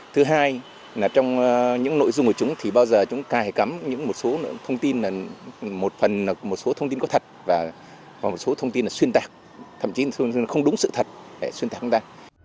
thứ hai trong những nội dung của chúng thì bao giờ chúng cài cắm một số thông tin có thật và một số thông tin xuyên tạc thậm chí không đúng sự thật để xuyên tạc chúng ta